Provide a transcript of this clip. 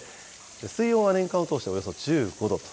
水温は年間を通しておよそ１５度と。